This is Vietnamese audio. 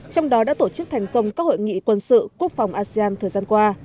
trong đó đã tổ chức thành công các hội nghị quân sự quốc phòng asean thời gian qua